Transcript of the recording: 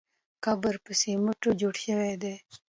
قبر په سمېټو جوړ شوی دی.